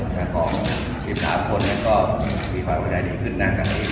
ของ๑๓คนที่เปิดภัยออกในผิดนางงานนี้